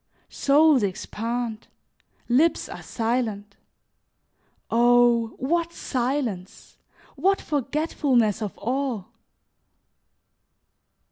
Souls expand, lips are silent. Oh! what silence! What forgetfulness of all!